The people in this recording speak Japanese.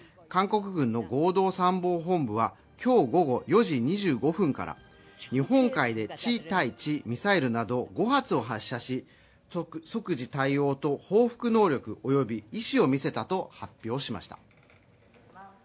韓国軍の合同参謀本部は今日午後４時２５分から日本海で地対地ミサイルなど５発を発射し、即時対応と報復能力および意思を見せたと発表しました。